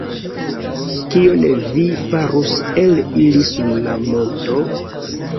Kion vi farus el ili sur la monto?